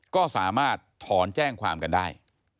ก็สามารถถอนแจ้งความกันได้